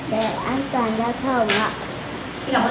để an toàn giao thông ạ